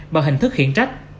bằng hình thức hiện trách